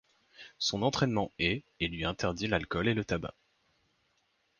Son entraînement est et lui interdit l'alcool et le tabac.